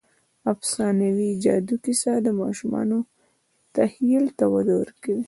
د افسانوي جادو کیسه د ماشومانو تخیل ته وده ورکوي.